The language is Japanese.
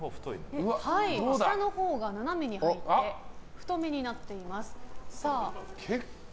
下のほうが斜めに入って太めになっています。